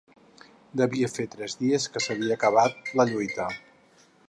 Devia fer tres dies que s'havia acabat la lluita